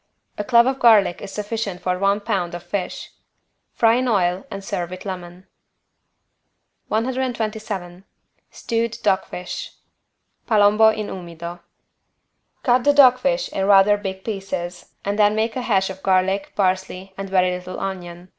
A clove of garlic is sufficient for one pound of fish. Fry in oil and serve with lemon. 127 STEWED DOG FISH (Palombo in umido) Cut the dog fish in rather big pieces and then make a hash of garlic, parsley and very little onion.